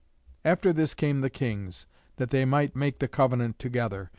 After this came the kings, that they might make the covenant together.